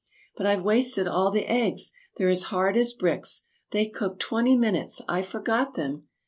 "But I've wasted all the eggs they're as hard as bricks they cooked twenty minutes. I forgot them."